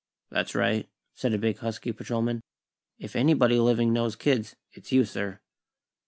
"That's right," said a big, husky patrolman. "If anybody living knows kids, it's you, sir."